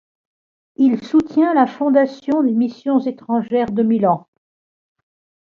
Il soutient la fondation des missions étrangères de Milan.